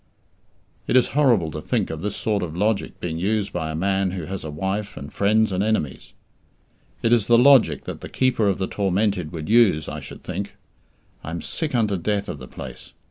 It is horrible to think of this sort of logic being used by a man who has a wife, and friends and enemies. It is the logic that the Keeper of the Tormented would use, I should think. I am sick unto death of the place.